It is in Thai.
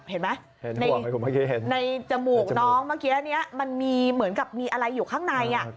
เห็นไหมในจมูกน้องเมื่อกี้นี้มันมีเหมือนกับมีอะไรอยู่ข้างใน